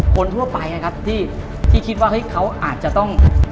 คนทั่วไปที่คิดว่าเขาอาจจะต้อง